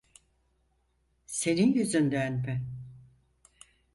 Senin yüzünden mi?